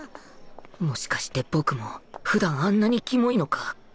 もしかして僕も普段あんなにキモいのか？